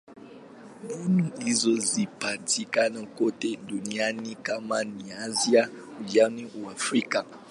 Mbinu hizo zinapatikana kote duniani: kama ni Asia, Ulaya au Afrika.